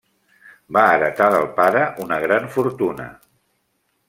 Va heretar del pare una gran fortuna.